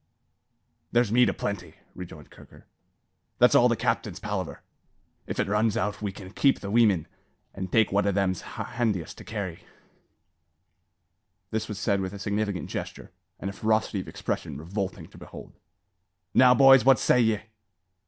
"There's meat a plenty," rejoined Kirker. "That's all the captain's palaver. If it runs out we kin drop the weemen, and take what o' them's handiest to carry." This was said with a significant gesture, and a ferocity of expression revolting to behold. "Now, boys! what say ye?"